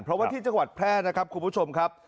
เพราะว่าที่จังหวัดแพร่นะครับคุณผู้ชมครับ